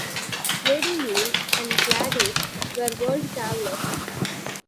Lady Yule and Gladys were world travellers.